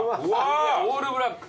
オールブラック。